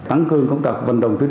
tăng cường công tập vận động tuyển